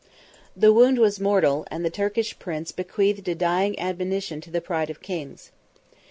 The wound was mortal; and the Turkish prince bequeathed a dying admonition to the pride of kings.